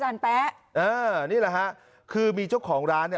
นี่แหละฮะคือมีเจ้าของร้านนี่